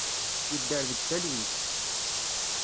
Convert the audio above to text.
Yedder deg talwit.